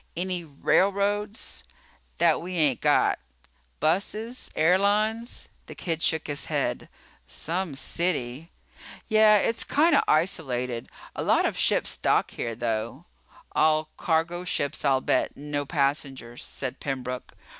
"Any railroads?" "That we ain't got." "Buses? Airlines?" The kid shook his head. "Some city." "Yeah, it's kinda isolated. A lot of ships dock here, though." "All cargo ships, I'll bet. No passengers," said Pembroke.